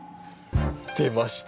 出ました